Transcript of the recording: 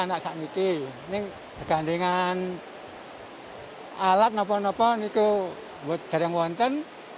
nah saat ini ini bergantian alat apa apa itu buat jaring wanten